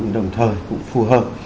nhưng đồng thời cũng phù hợp